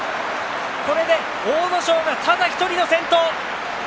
これで阿武咲がただ１人の先頭。